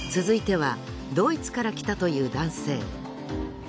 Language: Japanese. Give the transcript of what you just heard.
続いてはドイツから来たという男性。